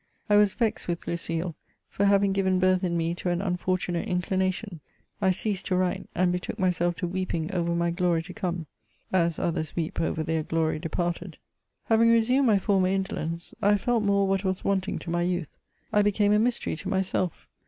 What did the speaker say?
I was vexed with Lucile, for having given birth in me to an unfortunate inclination. I ceased to write, and betook myself to weeping over my glory to come, as others weep over their glory departed. Having resumed my former indolence, 1 felt more what was wanting to my youth. I became a mystery to myself.